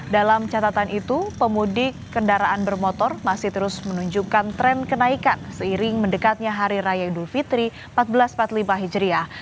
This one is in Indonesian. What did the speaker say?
dalam catatan itu pemudik kendaraan bermotor masih terus menunjukkan tren kenaikan seiring mendekatnya hari raya idul fitri seribu empat ratus empat puluh lima hijriah